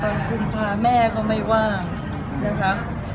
ตอนคุณพาแม่ก็ไม่ว่างนะคะ